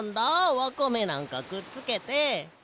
わかめなんかくっつけて。